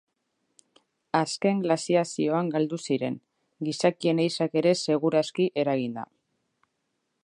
Azken glaziazioan galdu ziren, gizakien ehizak ere segur aski eraginda.